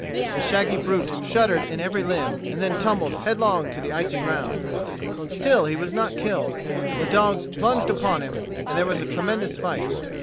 The shaggy brute shuddered in every limb, and then tumbled head long to the icy ground. Still he was not killed. The dogs plunged upon him, and there was a tremendous fight.